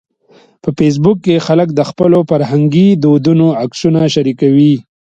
په فېسبوک کې خلک د خپلو فرهنګي دودونو عکسونه شریکوي